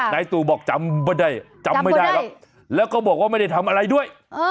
แล้วตู่บอกจำไม่ได้แล้วก็บอกว่าไม่ได้ทำอะไรด้วย